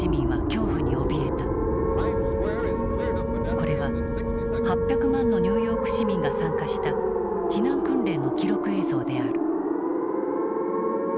これは８００万のニューヨーク市民が参加した避難訓練の記録映像である。